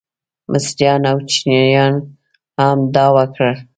مصریان او چینیان هم دا وکړل.